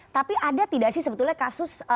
tapi ada tidak sih sebetulnya kasus